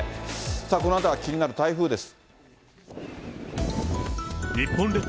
さあ、このあとは気になる台風です。